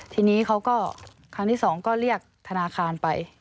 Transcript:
ทีนี้เขาก็ครั้งที่สองก็เรียกธนาคารไป